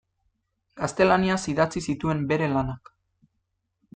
Gaztelaniaz idatzi zituen bere lanak.